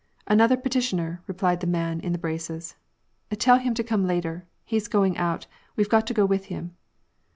" Another petitioner,'^ replied the man in the braces. " Tell him to come later. He's going out ; we've got to go with him."